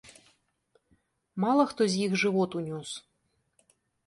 Мала хто з іх жывот унёс.